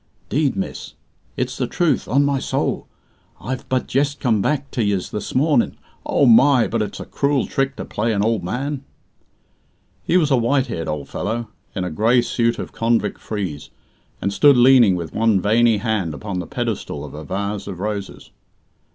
"'Deed, miss, it's the truth, on my soul. I've but jest come back to yez this morning. O my! but it's a cruel trick to play an ould man." He was a white haired old fellow, in a grey suit of convict frieze, and stood leaning with one veiny hand upon the pedestal of a vase of roses.